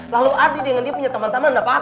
lalu ardi dengan dia punya temen temennya paham